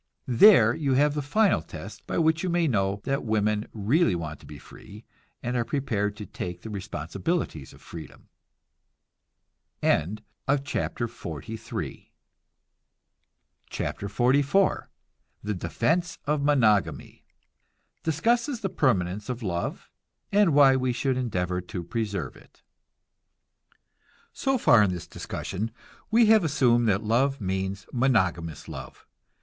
There you have the final test by which you may know that women really want to be free, and are prepared to take the responsibilities of freedom. CHAPTER XLIV THE DEFENSE OF MONOGAMY (Discusses the permanence of love, and why we should endeavor to preserve it.) So far in this discussion we have assumed that love means monogamous love.